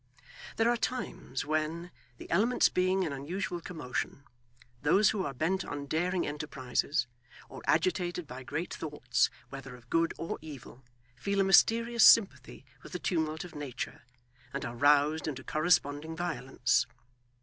There are times when, the elements being in unusual commotion, those who are bent on daring enterprises, or agitated by great thoughts, whether of good or evil, feel a mysterious sympathy with the tumult of nature, and are roused into corresponding violence.